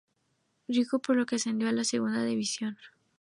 Ryukyu, por lo que ascendió a Segunda División.